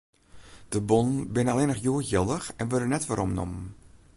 De bonnen binne allinnich hjoed jildich en wurde net weromnommen.